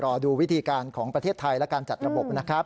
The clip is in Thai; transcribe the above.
รอดูวิธีการของประเทศไทยและการจัดระบบนะครับ